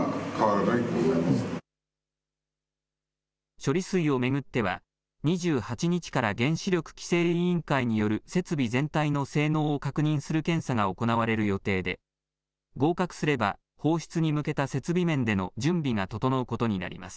処理水を巡っては、２８日から原子力規制委員会による設備全体の性能を確認する検査が行われる予定で、合格すれば、放出に向けた設備面での準備が整うことになります。